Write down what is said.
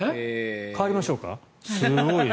代わりましょうか？